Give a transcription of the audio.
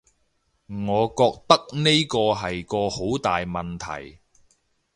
我覺得呢個係個好大問題